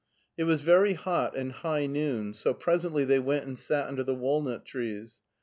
It was very hot, and high noon, so presently they went and sat under the walnut trees.